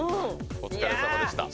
お疲れさまでした。